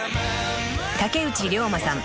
［竹内涼真さん